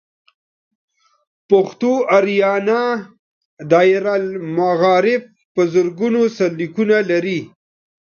پښتو آریانا دایرة المعارف په زرګونه سرلیکونه لري.